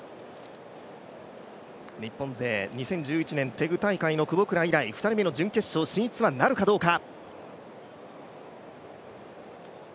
日本勢、テグ大会の久保倉以来２人目の準決勝進出なるかどうか。